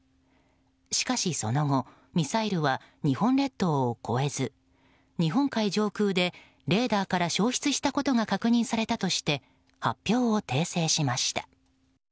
しかし、その後ミサイルは日本列島を越えず日本海上空でレーダーから消失したことが確認されたとして発表を訂正しました。